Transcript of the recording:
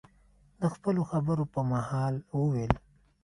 د خپلو خبرو په مهال، وویل: